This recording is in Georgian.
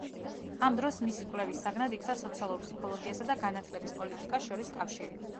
ამ დროს მისი კვლევის საგნად იქცა სოციალურ ფსიქოლოგიასა და განათლების პოლიტიკას შორის კავშირი.